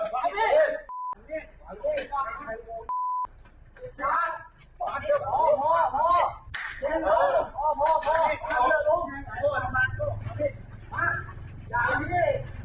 พอพอพอพี่